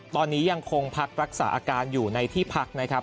ตอนนี้ยังคงพักรักษาอาการอยู่ในที่พักนะครับ